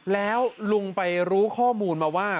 แล้วลุงไปรู้ข้อมูลมาว่า